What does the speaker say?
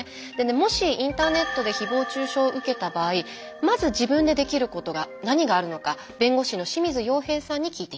もしインターネットでひぼう中傷を受けた場合まず自分でできることが何があるのか弁護士の清水陽平さんに聞いています。